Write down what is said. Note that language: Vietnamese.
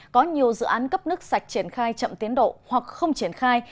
có nhiều dự án cấp nước sạch triển khai chậm tiến độ hoặc không triển khai